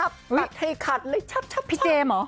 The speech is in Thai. พี่เจมซ์เหรอ